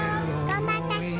頑張った人？